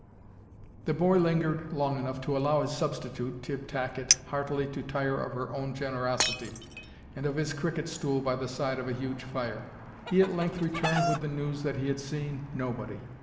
The boy lingered long enough to allow his substitute, Tibb Tacket, heartily to tire of her own generosity, and of his cricket stool by the side of a huge fire. He at length returned with the news that he had seen nobody.